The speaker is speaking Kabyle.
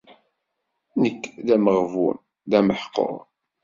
Nekk, d ameɣbun, d ameḥqur.